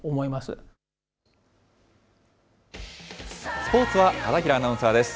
スポーツは片平アナウンサーです。